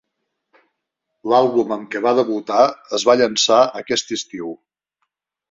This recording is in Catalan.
L'àlbum amb què va debutar es va llançar aquest estiu.